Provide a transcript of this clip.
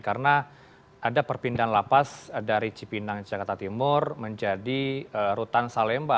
karena ada perpindahan lapas dari cipinang jakarta timur menjadi rutan salemba